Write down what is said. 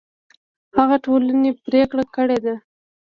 هغه ټولنې پرېکړه کړې ده